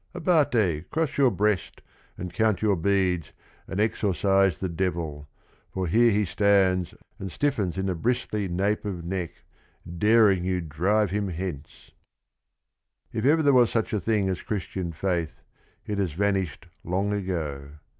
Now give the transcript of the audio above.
Abate, cross your breast and count your beads And exorcize the devil, for here he stands And stiffens in the bristly nape of neck, Daring you drive him hence I " If ever there was such a thing as Christian faith it hasrranisnexl long ago.